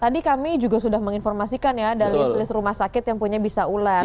tadi kami juga sudah menginformasikan ya ada list list rumah sakit yang punya bisa ular